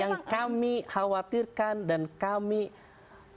yang kami khawatirkan dan kami anggap tidak berhasil